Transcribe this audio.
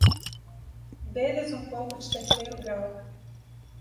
Dê-lhes um pouco de terceiro grau.